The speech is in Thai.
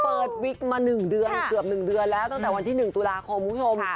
เปิดวิกมาหนึ่งเดือนเกือบหนึ่งเดือนแล้วตั้งแต่วันที่หนึ่งตุลาคมคุณผู้ชม